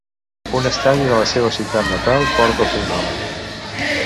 Un estadi de la seva ciutat natal porta el seu nom.